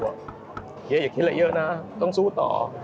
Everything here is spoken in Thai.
เฮียอย่าคิดอะไรเยอะนะต้องสู้ต่อ